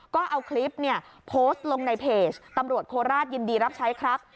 ก็เอาคลิปเนี่ยโพสต์ลงในเพจตำรวจโคราชยินดีรับใช้ครับ